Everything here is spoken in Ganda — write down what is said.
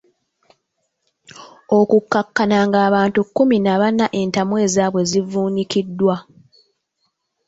Okukkakkana ng'abantu kkumi na bana entamu ezaabwe zivuunikiddwa.